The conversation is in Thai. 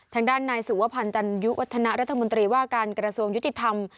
ทางด้านนายสุวพันธ์ตันยุวัฒนารัฐมนตรีว่าการกระทรวงยุติธรรม